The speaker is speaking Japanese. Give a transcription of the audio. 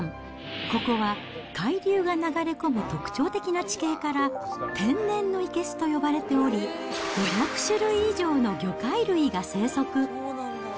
ここは海流が流れ込む特徴的な地形から、天然の生けすと呼ばれており、５００種類以上の魚介類が生息。